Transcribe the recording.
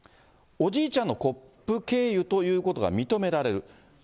おじいちゃんのコップ経由ということが認められる。